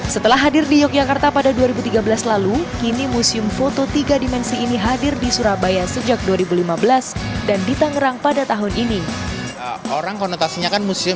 setelah hadir di yogyakarta pada dua ribu tiga belas lalu kini museum foto tiga dimensi ini hadir di surabaya sejak dua ribu lima belas dan di tangerang pada tahun ini